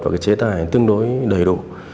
và cái chế tài tương đối đầy đủ